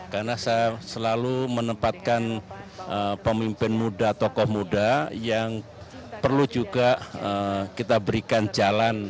karena saya selalu menempatkan pemimpin muda tokoh muda yang perlu juga kita berikan jalan